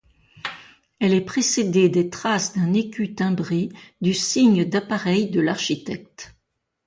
Elle est précédée des traces d’un écu timbré du signe d’appareil de l’architecte.